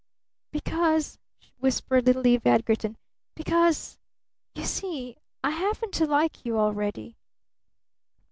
"Because," whispered little Eve Edgarton, "because you see I happen to like you already."